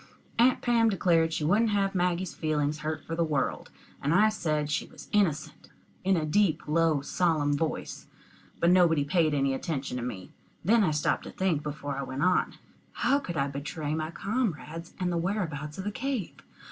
Aunt Pam declared she wouldn't have Maggie's feelings hurt for the world; and I said she was innocent, in a deep low solemn voice, but nobody paid any attention to me. Then I stopped to think before I went on. How could I betray my comrades and the whereabouts of the cave?